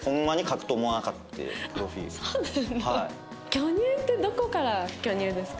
巨乳ってどこからが巨乳ですか？